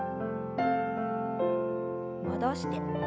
戻して。